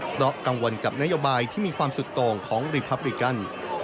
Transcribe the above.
เพราะกังวลกับนโยบายที่มีความสุดโต่งของรีพับริกัน